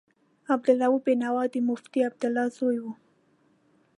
عبدالرؤف بېنوا د مفتي عبدالله زوی و.